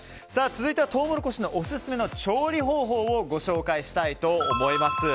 続いてはトウモロコシのオススメの調理方法をご紹介したいと思います。